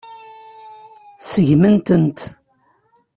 Seggment-tent.